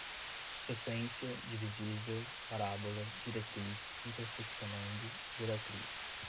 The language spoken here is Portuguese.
sequência, divisível, parábola, diretriz, interseccionando, geratriz